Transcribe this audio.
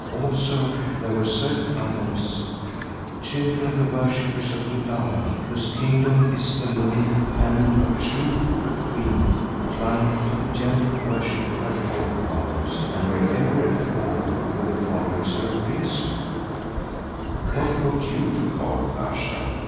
Also there were certain others, children of the worshippers of Lulala whose kingdom is the moon, and of Truth the Queen, who clung to the gentle worship of their forefathers and were ever at war with the followers of Rezu." "What brought you to Kôr, Ayesha?"